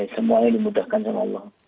semuanya dimudahkan sama allah